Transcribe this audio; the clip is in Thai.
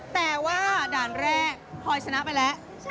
แต่ว่าด่านครั้งแรกพอยสนับไปแล้ว